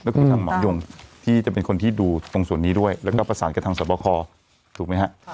ก็คือทางหมอยงที่จะเป็นคนที่ดูตรงส่วนนี้ด้วยแล้วก็ประสานกับทางสวบคอถูกไหมฮะ